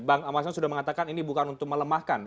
bang mas anam sudah mengatakan ini bukan untuk melemahkan